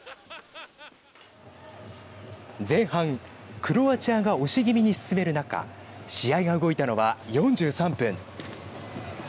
前半クロアチアが押し気味に進める中試合が動いたのは４３分。